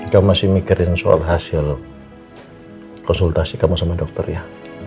kamu masih mikirin soal hasil konsultasi kamu sama dokter ya